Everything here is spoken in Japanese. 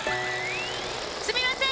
すみません！